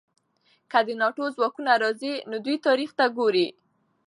که د ناټو ځواکونه راځي، نو دوی تاریخ ته ګوري.